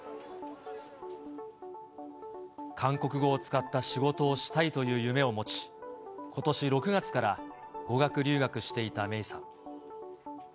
韓国語を使った仕事をしたいという夢を持ち、ことし６月から語学留学していた芽生さん。